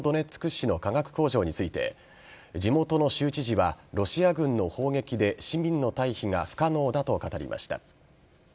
市の化学工場について地元の州知事はロシア軍の砲撃で市民の退避が不可能だと語りました。